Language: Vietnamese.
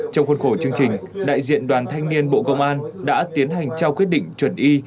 trong khuôn khổ chương trình đại diện đoàn thanh niên bộ công an đã tiến hành trao quyết định chuẩn y